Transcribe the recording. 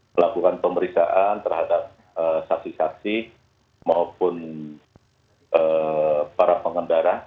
melakukan pemeriksaan terhadap saksi saksi maupun para pengendara